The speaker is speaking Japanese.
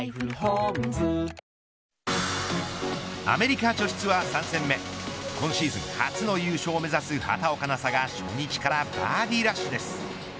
アメリカ女子ツアー３戦目今シーズン初の優勝を目指す畑岡奈紗が初日からバーディーラッシュです。